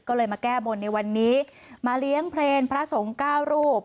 ก็เลยมาแก้บนในวันนี้มาเลี้ยงเพลงพระสงฆ์เก้ารูป